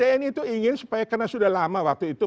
tni itu ingin supaya karena sudah lama waktu itu